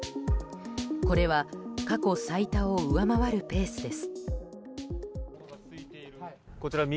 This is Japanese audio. これは過去最多を上回るペースです。